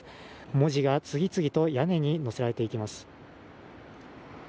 文字が次々と屋根に載せられていきます。